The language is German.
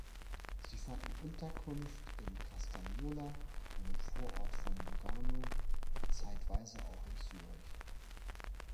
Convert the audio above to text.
Sie fanden Unterkunft in Castagnola, einem Vorort von Lugano, zeitweise auch in Zürich.